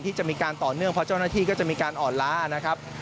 ที่จะมีการต่อเนื่องเพราะเจ้าหน้าที่ก็จะมีการอ่อนล้านะครับ